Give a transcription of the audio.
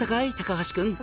橋君」